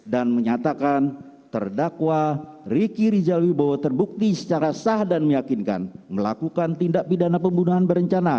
dan menyatakan terdakwa riki rizal wibowo terbukti secara sah dan meyakinkan melakukan tindak pidana pembunuhan berencana